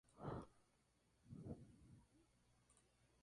Nadie, absolutamente nadie.